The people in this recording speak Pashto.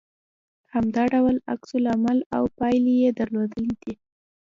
همدا ډول عکس العمل او پايلې يې درلودلې دي